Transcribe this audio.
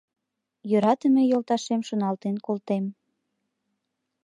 Йӧратыме йолташем шоналтен колтем